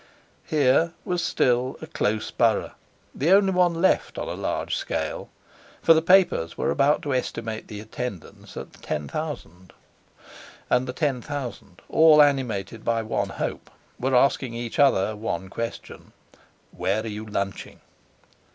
Here was still a close borough, the only one left on a large scale—for the papers were about to estimate the attendance at ten thousand. And the ten thousand, all animated by one hope, were asking each other one question: "Where are you lunching?"